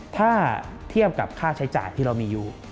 ถ้าเทียบกับค่าใช้จ่ายที่เรามีอยู่